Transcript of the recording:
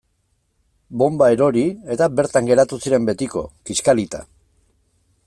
Bonba erori eta bertan geratu ziren betiko, kiskalita.